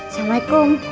kau mau berbicara